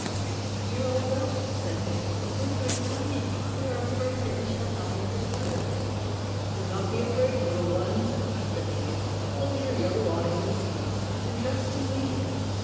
"Dear old oak," said they, "winter is coming: we are afraid that we shall die of the cold." "Do not be afraid, little ones," said the oak, "close your yellow eyes in sleep, and trust to me.